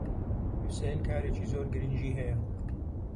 حوسێن کارێکی زۆر گرنگی ھەیە.